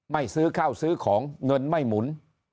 ซื้อข้าวซื้อของเงินไม่หมุน